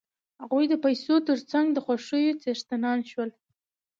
هغوی د پیسو تر څنګ د خوښیو څښتنان شول